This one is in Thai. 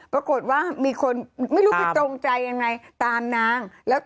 ปรากฏว่ามีคนไม่รู้คือตรงใจยังไงตามนางแล้ว